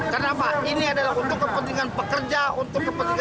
karena apa ini adalah untuk kepentingan pekerja untuk kepentingan